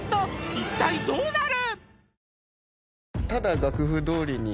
一体どうなる？